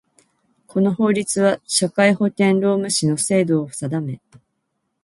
この法律は、社会保険労務士の制度を定め